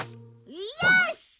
よし！